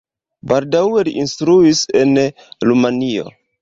Baldaŭe li instruis en Rumanio.